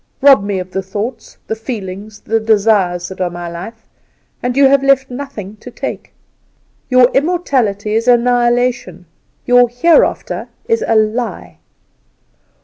Rob me of the thoughts, the feelings, the desires that are my life, and you have left nothing to take. Your immortality is annihilation, your Hereafter is a lie.